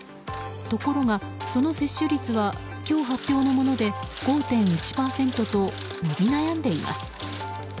ところがその接種率は今日発表のもので５．１％と伸び悩んでいます。